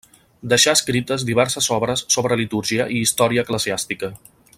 Deixà escrites diverses obres sobre litúrgia i història eclesiàstica.